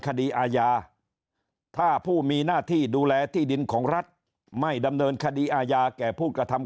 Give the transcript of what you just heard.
คดีอาญาถ้าผู้มีหน้าที่ดูแลที่ดินของรัฐไม่ดำเนินคดีอาญาแก่ผู้กระทำ